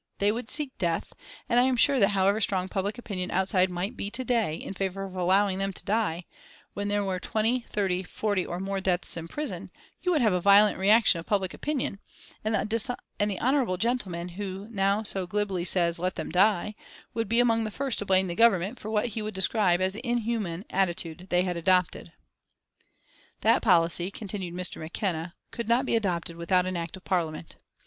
They would seek death, and I am sure that however strong public opinion outside might be to day in favour of allowing them to die, when there were twenty, thirty, forty, or more deaths in prison, you would have a violent reaction of public opinion, and the honourable gentleman who now so glibly says 'Let them die' would be among the first to blame the Government for what he would describe as the inhuman attitude they had adopted. "That policy," continued Mr. McKenna, "could not be adopted without an Act of Parliament.